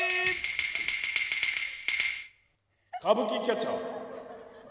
「歌舞伎キャッチャー」。